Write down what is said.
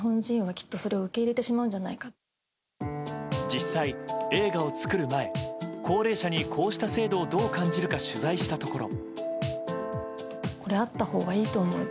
実際、映画を作る前高齢者にこうした制度をどう感じるか取材したところ。